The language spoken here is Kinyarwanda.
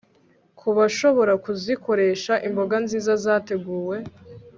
Ku bashobora kuzikoresha imboga nziza zateguwe